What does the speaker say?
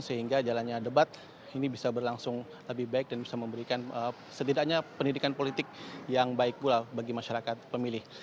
sehingga jalannya debat ini bisa berlangsung lebih baik dan bisa memberikan setidaknya pendidikan politik yang baik pula bagi masyarakat pemilih